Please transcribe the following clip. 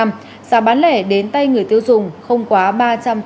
giá bán lẻ đến tay người tiêu dùng không quá ba trăm tám mươi đồng một bình một mươi hai kg